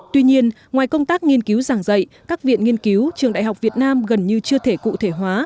tuy nhiên ngoài công tác nghiên cứu giảng dạy các viện nghiên cứu trường đại học việt nam gần như chưa thể cụ thể hóa